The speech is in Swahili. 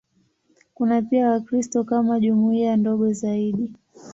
Kuna pia Wakristo kama jumuiya ndogo zaidi.